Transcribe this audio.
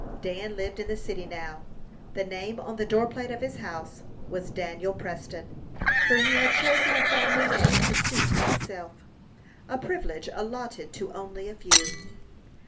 Dan lived in the city now. The name on the doorplate of his house was Daniel Preston, for he had chosen a family name to suit himself a privilege allotted to only a few.